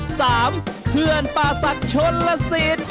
เขื่อนป่าศักดิ์ชนลสิทธิ์